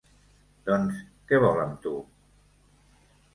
Doncs què vol, amb tu?